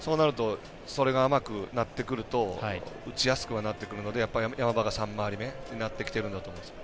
それが甘くなってくると打ちやすくなってくるとやっぱり山場が３回り目になってきてるんだと思います。